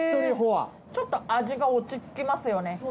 ちょっと味が落ち着きますよね。